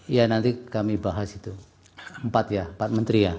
ya nanti kami bahas itu empat ya empat menteri ya